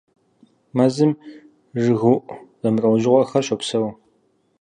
Мэзым жыгыуӀу зэмылӀэужьыгъуэхэр щопсэу.